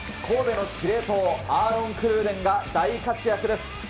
神戸の司令塔、アーロン・クルーデンが大活躍です。